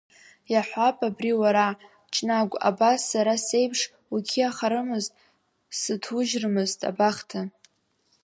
Иаҳҳәап, абри уара, Ҷнагә, абас, сара сеиԥш, уқьиахарымызт, сыҭужьрымызт абахҭа.